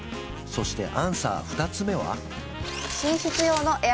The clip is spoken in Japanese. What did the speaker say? そしてアンサー２つ目は？